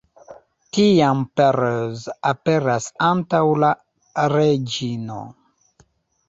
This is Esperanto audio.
Tiam Perez aperas antaŭ la reĝino.